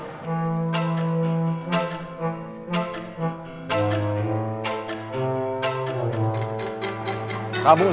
nah aduh punchesnya tuh adalah